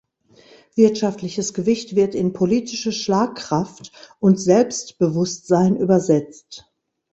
Wirtschaftliches Gewicht wird in politische Schlagkraft und Selbstbewusstsein übersetzt.